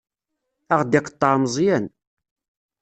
Ad aɣ-d-iqeṭṭeɛ Meẓyan.